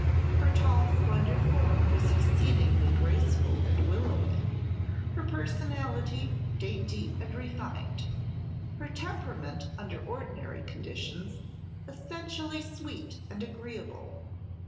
Her tall, slender form was exceedingly graceful and willowy, her personality dainty and refined, her temperament under ordinary conditions essentially sweet and agreeable.